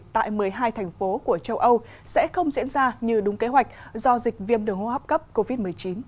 tại một mươi hai thành phố của châu âu sẽ không diễn ra như đúng kế hoạch do dịch viêm đường hô hấp cấp covid một mươi chín